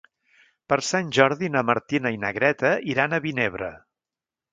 Per Sant Jordi na Martina i na Greta iran a Vinebre.